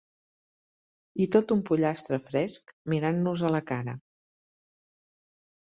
I tot un pollastre fresc mirant-nos a la cara.